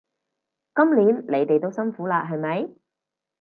今年你哋都辛苦喇係咪？